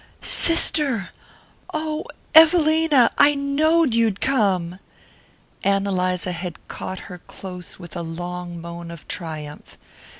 "Sister oh, Evelina! I knowed you'd come!" Ann Eliza had caught her close with a long moan of triumph.